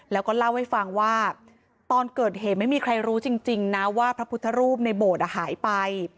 แล้วก็เล่าให้ฟังว่าตอนเกิดเหตุไม่มีใครรู้จริงนะว่าพระพุทธรูปในโบสถ์หายไป